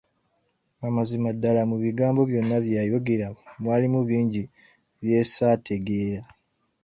Amazima ddala mu bigambo byonna bye yayogera mwalimu bingi bye saategeera.